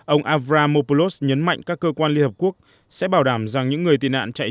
ông avramopoulos nhấn mạnh các cơ quan liên hợp quốc sẽ bảo đảm rằng những người tị nạn chạy